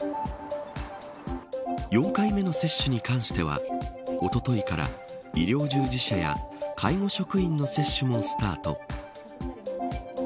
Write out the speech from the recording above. ４回目の接種に関してはおとといから医療従事者や介護職員の接種もスタート。